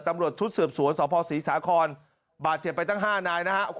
ตำรวจชุดสืบสวนสภศรีสาครบาดเจ็บไปตั้ง๕นายนะครับ